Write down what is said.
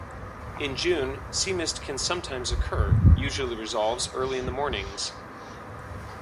In June sea mist can sometimes occur usually resolves early in the mornings.